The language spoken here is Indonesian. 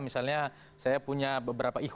misalnya saya punya beberapa event